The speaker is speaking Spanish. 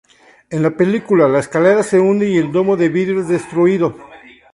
En la película, la escalera se hunde y el domo de vidrio es destruido.